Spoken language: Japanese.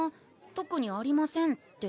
「特にありません」って